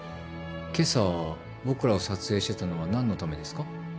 今朝僕らを撮影してたのは何のためですか？